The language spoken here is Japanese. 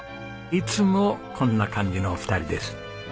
いつもこんな感じのお二人です。